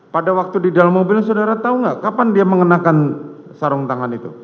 pada waktu di dalam mobil saudara tahu nggak kapan dia mengenakan sarung tangan itu